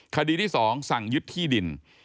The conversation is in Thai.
คดีที่๒สั่งยึดที่ดิน